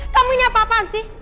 kamu ini apa apaan sih